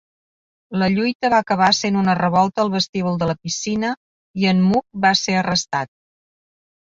La lluita va acabar sent una revolta al vestíbul de la piscina i en Mugg va ser arrestat.